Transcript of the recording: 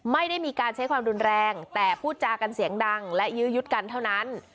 ไม่ได้มีการใช้ความรุนแรงแต่พูดจากันเสียงดังและยื้อยุดกันเท่านั้น